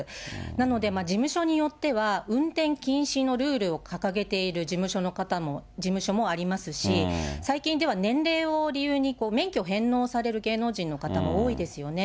なので、事務所によっては、運転禁止のルールを掲げている事務所もありますし、最近では、年齢を理由に、免許返納される芸能人の方も多いですよね。